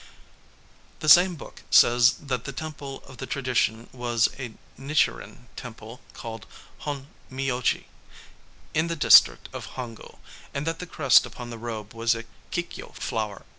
The same book says that the temple of the tradition was a Nichiren temple called Hon myoji, in the district of Hongo; and that the crest upon the robe was a kikyō flower.